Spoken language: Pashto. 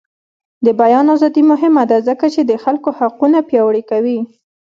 د بیان ازادي مهمه ده ځکه چې د خلکو حقونه پیاوړي کوي.